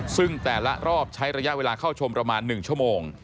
ซึ่งแต่ละรอบใช้ระยะเวลาเข้าชมประมาณ๑ชั่วโมง